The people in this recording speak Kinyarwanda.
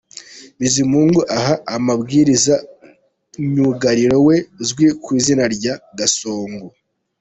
Bizimungu aha amabwiriza myugariro we uzwi ku izina rya Gasongo.